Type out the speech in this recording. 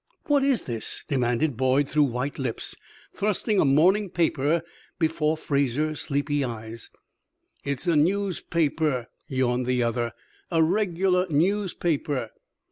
"What is this?" demanded Boyd, through white lips, thrusting a morning paper before Fraser's sleepy eyes. "It's a newspaper," yawned the other "a regular newspaper."